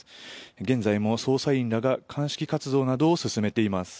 現在も捜査員らが鑑識活動などを進めています。